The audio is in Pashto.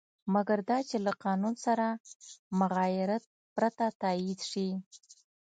مګر دا چې له قانون سره مغایرت پرته تایید شي.